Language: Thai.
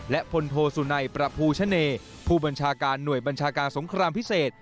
และพลโทสุนัยประภูชะเนผู้บัญชาการหน่วยบัญชาการสงครามพิเศษ